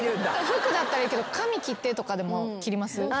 服だったらいいけど「髪切って」とかでも切ります？